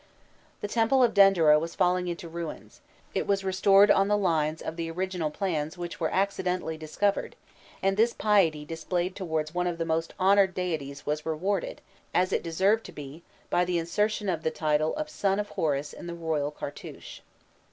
The temple of Dendera was falling into ruins; it was restored on the lines I of the original plans which were accidentally discovered, and this piety displayed towards one of the most honoured deities was rewarded, as it deserved to be, by the insertion of the title of "son of Hâthor" in the royal cartouche.